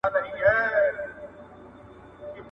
ملتونه کله په ټاکنو کي ګډون کوي؟